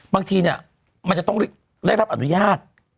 บางทีเนี่ยมันจะต้องได้รับอนุญาต